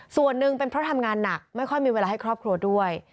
ส่วนหนึ่งเป็นเพราะทำงานหนักไม่ค่อยมีเวลาให้ครอบครัวด้วย